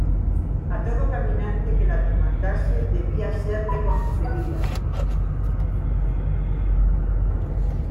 a todo caminante que la demandase debía serle concedida.